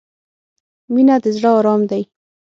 • مینه د زړۀ ارام دی.